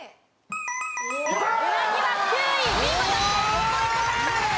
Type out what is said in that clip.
５ポイント獲得です。